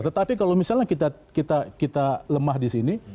tetapi kalau misalnya kita lemah di sini